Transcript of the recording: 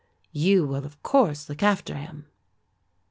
You will of course look after him."